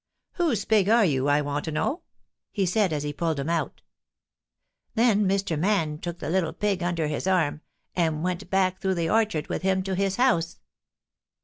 "Whose pig are you, I want to know?" he said as he pulled him out. Then Mr. Man took the little pig under his arm and went back through the orchard with him to his house.